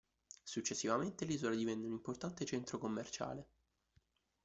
Successivamente, l'isola divenne un importante centro commerciale.